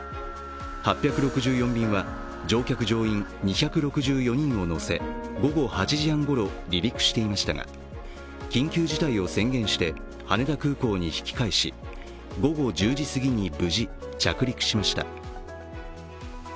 ８６４便は乗客・乗員２６４人を乗せ午後８時半ごろ離陸していましたが緊急事態を宣言して羽田空港に引き返し、午後１０時すぎに無事着陸しました。